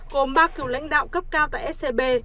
gồm ba cựu lãnh đạo cấp cao tại scb